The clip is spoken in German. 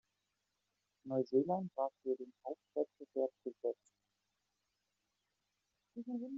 Neuseeland war für den Hauptwettbewerb gesetzt.